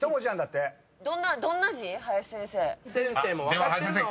［では林先生